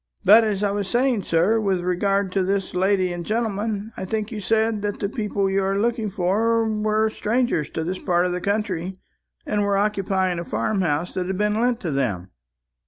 But as I was saying, sir, with regard to this lady and gentleman, I think you said that the people you are looking for were strangers to this part of the country, and were occupying a farm house that had been lent to them."